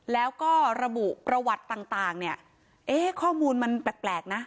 แล้วก็ระบุประวัติต่างเนี่ยเอ๊ะข้อมูลมันแปลกนะ